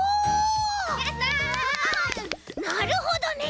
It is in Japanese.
なるほどね。